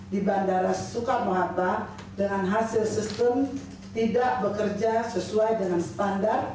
di bandara soekarno hatta dengan hasil sistem tidak bekerja sesuai dengan standar